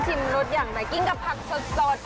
ชิคกี้พายชิมรสอย่างไรกินกับผักสด